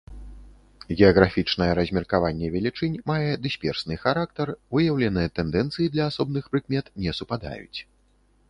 Геаграфічнае размеркаванне велічынь мае дысперсны характар, выяўленыя тэндэнцыі для асобных прыкмет не супадаюць.